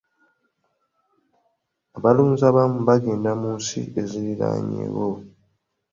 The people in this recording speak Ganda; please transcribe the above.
Abalunzi abamu baagenda mu nsi eziriraanyeewo.